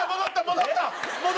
戻った！